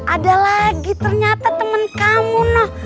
ada lagi ternyata teman kamu